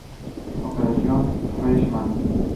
Operación Freshman.